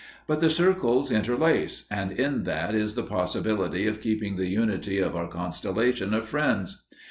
But the circles interlace, and in that is the possibility of keeping the unity of our constellation of friends.